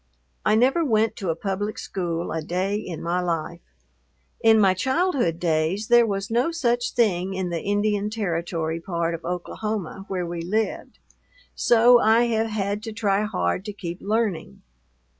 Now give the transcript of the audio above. I never went to a public school a day in my life. In my childhood days there was no such thing in the Indian Territory part of Oklahoma where we lived, so I have had to try hard to keep learning.